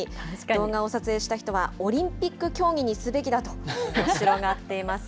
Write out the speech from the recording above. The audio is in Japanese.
動画を撮影した人は、オリンピック競技にすべきだとおもしろがっています。